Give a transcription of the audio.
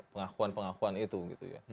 pengakuan pengakuan itu gitu ya